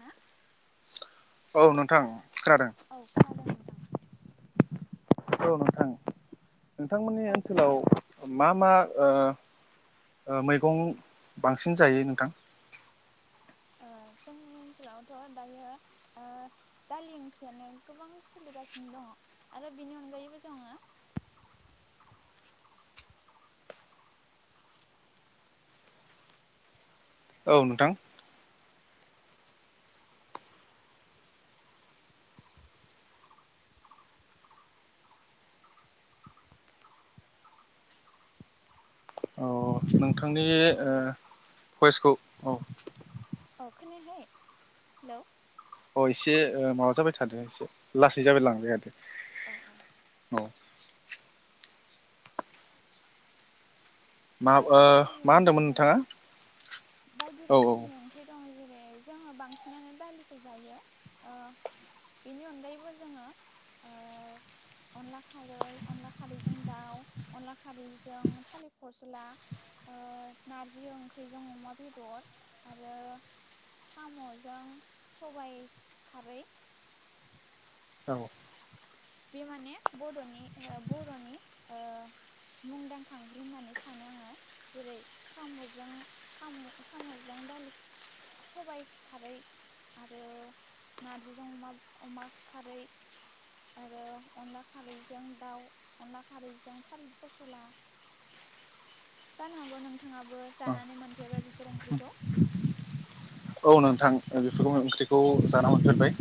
ना। औ नोंथां खोनादों। औ खोनादों नोंथां। औ नोंथां नोंथांमोननि औ ओनसोलाव खोनादों मा मा ओ मैगं बांसिन जायो नोंथां? ओ जोंनि ओनसोलावथ' दायो ओ दालि ओंख्रियानो गोबां सोलिगासिनो दङ आरो बिनि अनगायैबो जोङो औ नोंथां औ नोंथांनि दायो भइसखौ औ अ खोनायाखै हेल' अ एसे माबा जाबाय थादों एसे लासै जाबाय लांबाय औ मा ओ बायदि रोखोमनि मा ओंख्रि होनदोंमोन जायो नोंथाङा बायदि औ रोखोमनि ओंख्रि दङ जेरै ओ जोङो बांसिनानो दालिखौ जायो बेनि अनगायैबो जोङो अनला खारै अनला खारैजों दाउ अनला खारैजों थालिर फस्ला नारजि ओ ओंख्रिजों अमा बेदर आरो साम'जों सबाइ खारै। औ बे माने नि बर'नि मुंदांखां ओंख्रि होननानै सानो आङो जेरै साम'जों साम'जों दालि सबाय खारै आरो नारजिजों अमा खारै आरो अनला खारैजों दाउ अनला खारैजों थालिर फसला जानो हागौ नोंथाङाबो औ जानानै मोनफेरबाय बेफोर ओंख्रिखौ औ नोंथां बेफोरखौनो ओंख्रिखौ जानो मोनफेरबाय?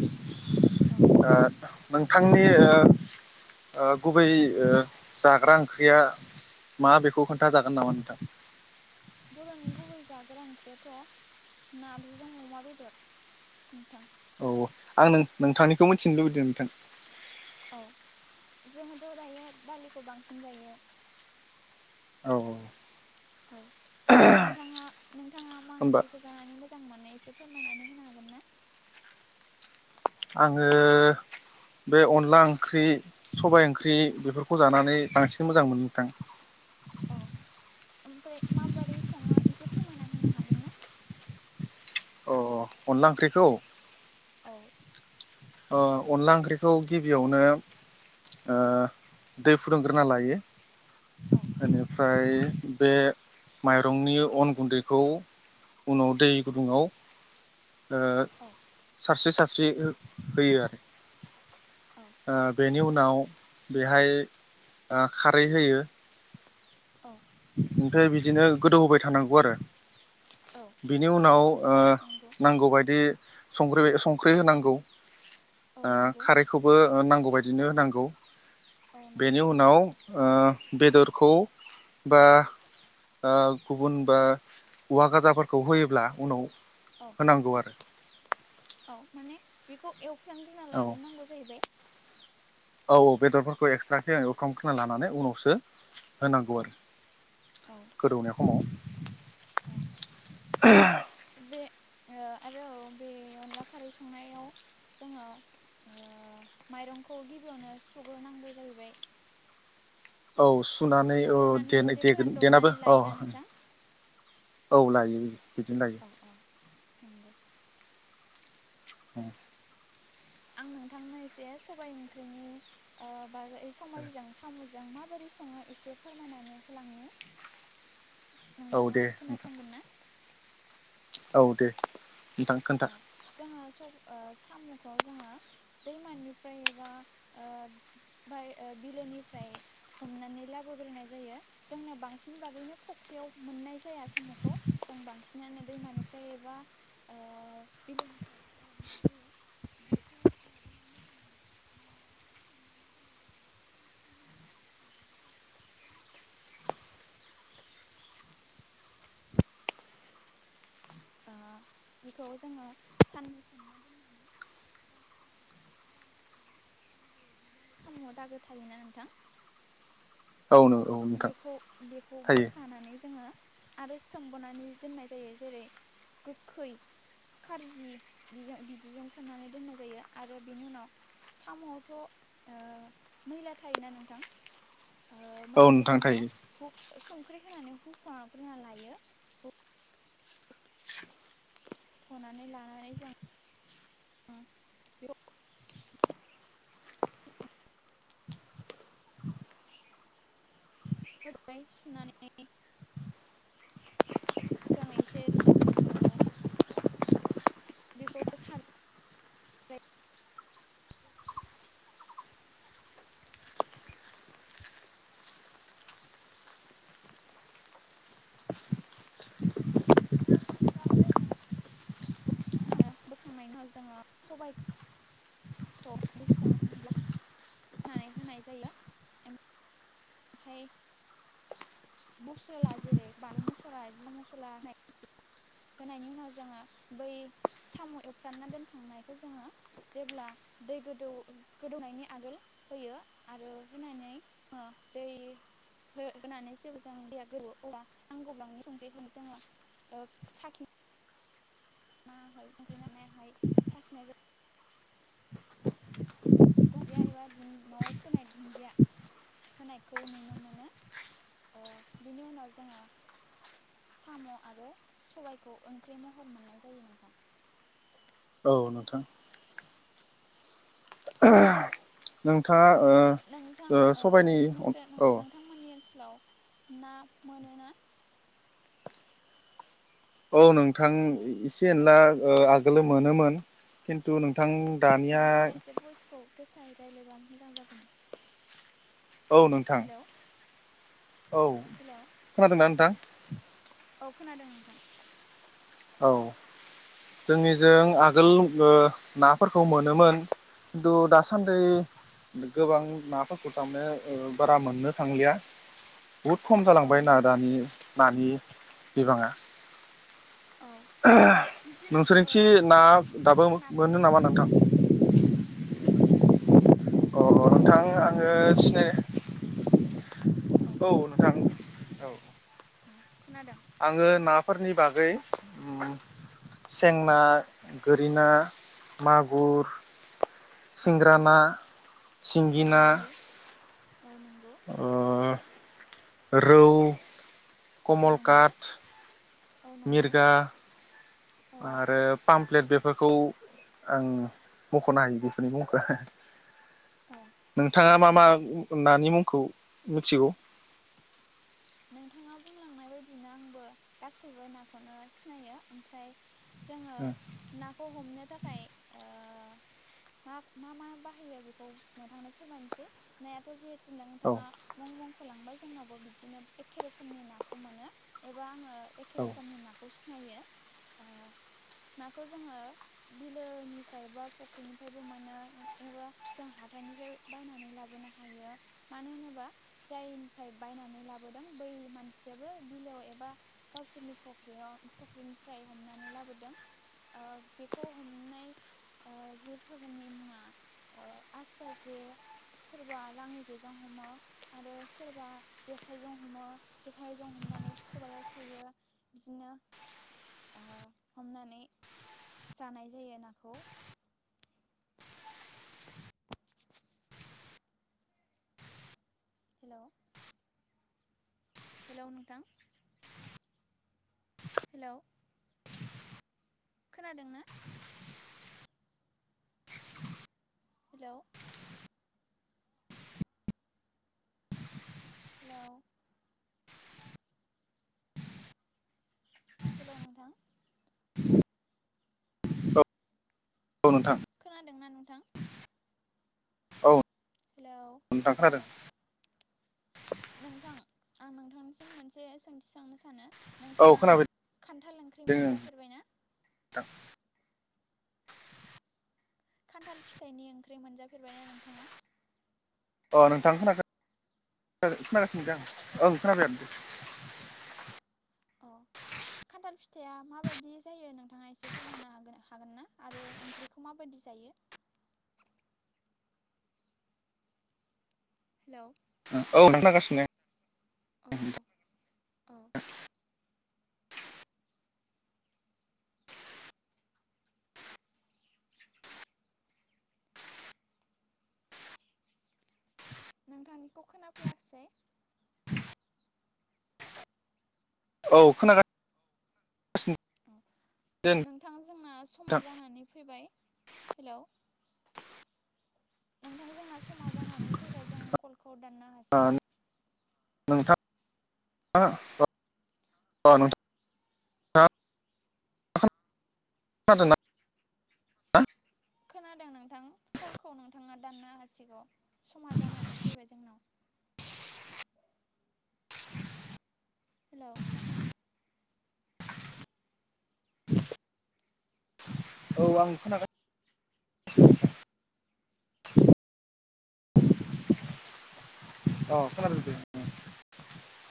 औ आ नोंथांनिओ गुबै जाग्रा ओंख्रिया मा बेखौ खोन्थाजागोन नामा नोंथां? बर'नि गुबै जाग्रा ओंख्रियाथ' नारजिजों अमा बेदर नोंथां औ आं नों नोंथांनिखौ मिथिनो लुबैदों नोंथां? औ जोंङोथ' दायो दालिखौ बांसिन जायो। औ औ नोंथाङा बिथाङा मा होमबा ओंख्रिखौ जानानै मोजां मोनो? एसे फोरमायनानै होनो हागोन ना? आङो बे अनला ओंख्रि सबाय ओंख्रि बेफोरखौ जानानै बांसिन मोजां मोनो नोंथां। औ ओमफ्राय माबोरै सङो एसे फोरमायना होनो हागोन ना? अ अनला ओंख्रिखौ। औ अ अनला ओंख्रिखौ गिबियावनो ओ दै फुदुंग्रोना लायो। औ बेनिफ्राय बे माइरंनि अन गुन्दैखौ उनाव दै गुदुङाव ओ औ सारसे सारसे जे फैयो आरो औ ओ बेनि उनाव बेहाय ओ खारै होयो। औ ओमफ्राय बिदिनो गोदौ होबाय थानांगौ आरो औ बिनि उनावओ नंगौ नांगौबायदि संख्रि संख्रि होनांगौ। औ ओ नंगौ खारैखौबो ओ नांगौबाय बिदिनो होनांगौ। औ नंगौ बेनि उनाव ओ बेदरखौ बा ओ गुबुन बा औवा गाजाफोरखौ होयोब्ला उनाव औ होनांगौ आरो। औ माने बेखौ एव फ्रामग्रोना औ लाग्रोनांगौ जाहैबाय। औ औ बेदरफोरखौ एक्सट्राके एवफ्रामग्रोना लानानै उनावसो होनांगौ औ आरो औ गोदौनाय खमाव। औ बे बे ओ आरो बे अनला खारै संनायाव जोङो ओ माइरंखौ गिबियावनो सुग्रोनांगौ जाहैबाय। औ सुनानै औ सुग्रोनानै एसे दे-दे-देेनाबो फोरानदबनानै अ लायोना नोंथां औ लायो। बिदिनो लायो औ औ नंगौ। [inaudible] आं नोंथांनो एसे सबाइ ओंख्रिनि ओ बागै समाइजों सामुजों जों माबोरै सङो एसे फोरमायनानै होलांनि। औ दे नोंथाङा नोंथां खोनासंगोन ना? औ दे नोंथां खोन्था औ जोङो सब ओ स साम'खौ जोंङो दैमानिफ्राय एबा ओ बा बिलोनिफ्राय हमनानै लाबोग्रोनाय जायो। जोंनो बांसिन बागैनो फुख्रियाव मोननाय जाया साम'खौ जों बांसिनानो दैमानिफ्राय एबा ओ बिलोनिफ्राय लाबोनाय जायो। बेखौ लाबोनानै जों सोमनानै दोननाय जायो बेखौ जों साननैहालागै सोमनानै दोनजायो ओ बेखौ जोङो साननै सोमना दोननानै [inaudible] सामुवाव दागो‌ थायोना नोंथां औ नोंथां बेखौ बेखौ थायो बोखानानै जोंङो आरो सोमबोनानै दोननाय जायो। जेरै गोखै खार्जि बिजों बिदिजों सोमनानै दोननाय जायो आरो बिनि उनाव साम'वावथ' मैला थायोना नोंथां! ओ औ मैलाखौ नों जोङो हु संख्रि होनानै हुख'ग्रोना लायो। हुख'नानै लानानै जों [unintelligible] [unintelligible] मोजांहाय सुनानै जों इसे ओ बेखौ सार बोखाङो बोखांनायनि उनाव जोङो सबाइ [unintelligible] नानै होनाय जायो। ओम फाय मस्ला जेरै बानलु मसला जिया मस्ला होनाय होनायनि उनाव जोङो बै साम एवफ्रानना दोनखांनायखौ जोंङो जेब्ला दै गोदौ गोदौनायनि आगोल होयो आरो होनानै जोंङो दै हो होनानै जेबो जों दैया गोदौवो अब्ला आं नांगौब्लांनि संख्रिखो जोङो ओ साखि नाङाखै संख्रि नां नायाहाय साखिनाय जायो दुनिदिया एबा दुन नवाव फोनाय दुन्दिया होनायखौ नुनो मोनो ओ बेनि उनाव जोङो साम आरो सबाइखौ ओंख्रि महर मोननाय जायो नोंथां। औ नोंथां नोंथाङा ओ नोंथां ओ नोंसोर नों औ नोंथांमोननि ओनस लाव ना मोनोना? औ नों थां हेलौ एसे नोंथां एनला ओ आ गोलो मोनोमोन खिन्थु नों नोंथाङा एसे बइसखौ गोसायै रायज्लायबा मोजां जागौमोन औ नोंथां हेलौ औ हेलौ खोनादोंना नोंथां [inaudible] औ खोनादों नोंथां औ जोंनिजों आगोल ओ नाफोरखौ मोनोमोन खिन्थु दासान्दि गोबां नाफोरखौ थामने ओ बारा मोननो थांलिया। बहुद खम औ जालांबाय ना नंगौ दानि नानि बिबाङा औ बिदिनो ओ नोंसोरनिथि मा ना मा मा दाबो मा नाखौ मोनो नामा नोंथाङा नोंथां सिनायो [inaudible] अ नोंथाङा एसे नोंथां गोसायै आङो रायज्लायनो हागौ सिनाय ना औ नोंथां औ औ खोनादों आङो ना फोरनि बागै ओम सें ना गोरि ना मागुर औ सिंग्रा ना सिंगि औ ना नंगौ औ नंगौ ओह रौ औ कमल नंगौ काट औ नंगौ मिरगा औ आरो पामप्लेट बे फोरखौ आं मख'नो हायो बेफोरनि मुंखो औ नोंथाङा मा मा ओ नानि मुंखौ मिथिगौ नोंथाङा बुंलांनाय बायदिनो आंबो गासैबो नाखौनो सिनायो ओमफ्राय जोङो औ नाखौ हमनो थाखाय ओ मा मा बाहायो बेखौ नोंथांनो फोरमायनोसै नायाथ' जे नोंथाङा मुं बुं खोलांबाय जोंनावबो बिदिनोब एखे रोखोमनि नाखौ मोनो एबा आङो एखे औ रोखोमनि नाखौ सि नायो‌ ओ‌ नांगौ जोङो बिलोनिफ्राया बा बाख्रि निफ्राय मोनो एबा जों हाथाइनिफ्राय बायनानै लाबोनो हायो मानो होनोबा जायनि बायनानै ला बोदों बै मानसिआबो बिलो‌याव एबा गावसिनि फख्रिहाव फख्रिनिफ्राय हमनानै लाबोदों ओ बेखौ हमनाय ओ जेफोरनि मुङा ओ आस्रा जे सोरबा लाङि जेजों हमो आरो सोरबा जे खाइजों हमो जेखाइजों हमनानै खबायाव सोयो बिदिनो ओ हमनानै जानाय जायो नाखौ हेलौ हेल' नोंथां हेलौ खोनादों ना हेलौ हेलौ हेलौ नोंथां [inaudible] औ नोंथां खोनादोंना नोंथां औ हेलौ नोंथां औ खोनादों नोंथां आं नोंथांनिसिम मोनसे सोंथि सोंनो सानो औ नोंथाङा खोनाबाय खान्थाल ओंख्रि मोनजाफेरबाय ना? थां खान्थाल फिथाइनि ओंख्रि मोनजाफेरबायना नोंथाङा? अ नोंथां [unintelligible] खोनागासिनो दे आं ओं [unintelligible] अ खान्थाल फिथाइया माबायदि जायो नों नोंथाङा एसे फोरमायनो हागोआ हागोन ना आरो ओंख्रिखौ माबायदि जायो। हेल' औ [unintelligible] खोनागासिनो औ औ-औ नोंथांनिखौ खोनाफैयाखैसै औ खोनागा औ दे नोंथां जोंना समा नोंथां जानानै फैबाय हेल' नोंथां जोंना समा जानानै फैबाय जों कलखौ दाननो हासिगौ। नोंथां अ नोंथां खोनादों ना? खोनादों नोंथां कलखौ नोंथाङा दाननो हासिगौ समा जानानै फैबाय जोंनाव हेल' औ आं खोनादों [unintelligible] अ खोनादों दे